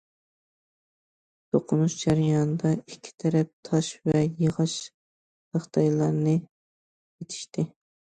توقۇنۇش جەريانىدا ئىككى تەرەپ تاش ۋە ياغاچ تاختايلارنى ئېتىشتى.